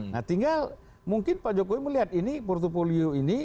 nah tinggal mungkin pak jokowi melihat ini portfolio ini